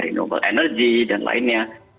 renewable energy dan lainnya